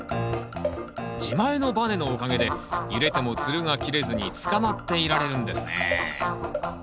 自前のバネのおかげで揺れてもつるが切れずにつかまっていられるんですね